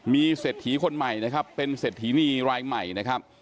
มีเศรษฐีคนใหม่นะครับเป็นเศรษฐีนีรายใหม่นะครับ